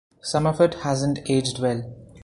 Some of it hasn't aged well.